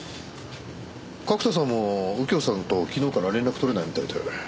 角田さんも右京さんと昨日から連絡取れないみたいで。